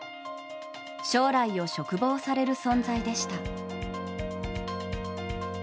将来を嘱望される存在でした。